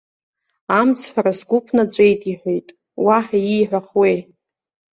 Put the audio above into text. Амцҳәара сгәы ԥнаҵәеит иҳәеит, уаҳа ииҳәахуеи!